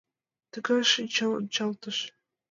Тыгай шинчаончалтыш